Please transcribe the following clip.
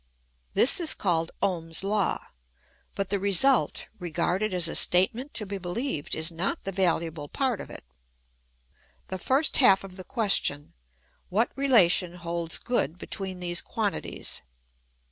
This is called Ohm's law ; but the result, regarded as a statement to be beheved, is not the valuable part of it. The first half is the ques tion : what relation holds good between these quantities?